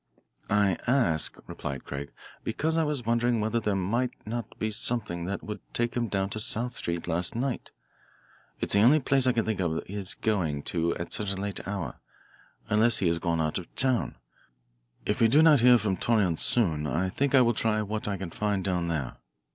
"I ask," replied Craig, "because I was wondering whether there might not be something that would take him down to South Street last night. It is the only place I can think of his going to at such a late hour, unless he has gone out of town. If we do not hear from Torreon soon I think I will try what. I can find down there.